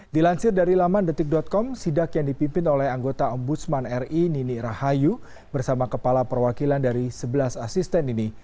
dilansir dari laman detik com sidak yang dipimpin oleh anggota ombudsman ri nini rahayu bersama kepala perwakilan dari sebelas asisten ini